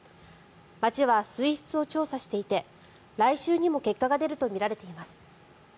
町は水質を調査していて来週にも結果が出るとみられています。